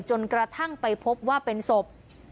จนกระทั่งไปพบว่าเป็นศพ